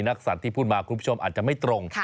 สัตว์ที่พูดมาคุณผู้ชมอาจจะไม่ตรง